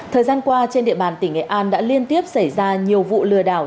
thời gian qua trên địa bàn tỉnh nghệ an đã liên tiếp xảy ra nhiều vụ lừa đảo